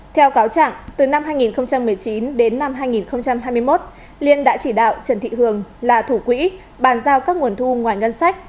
theo cáo trạng từ năm hai nghìn một mươi chín đến năm hai nghìn hai mươi một liên đã chỉ đạo trần thị hường là thủ quỹ bàn giao các nguồn thu ngoài ngân sách